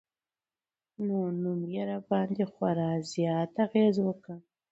نو نوم يې راباندې خوړا زيات اغېز وکړ